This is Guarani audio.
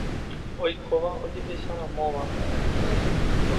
Oikóva ojehecharamóva.